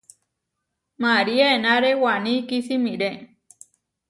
María enáre waní kisimiré.